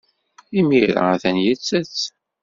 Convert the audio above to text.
Imir-a, atan yettett.